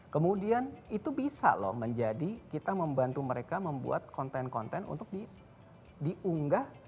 kemudian itu bisa loh menjadi kita membantu mereka membuat konten konten untuk diunggah